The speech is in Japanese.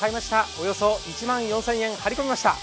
およそ１万４０００円、張り込みました。